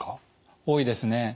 多いですね。